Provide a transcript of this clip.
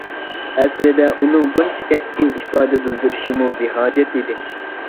ئەسلىدە ئۇنىڭ بۇنچە كەسكىن ئىپادە بىلدۈرۈشىمۇ بىھاجەت ئىدى.